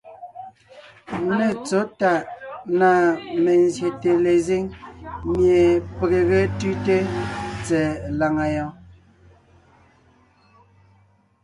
Nê tsɔ̌ tàʼ na mezsyète lezíŋ mie pege ge tʉ́te tsɛ̀ɛ làŋa yɔɔn.